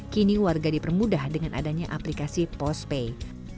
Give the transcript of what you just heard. kini warga dipermudah dengan adanya aplikasi postpay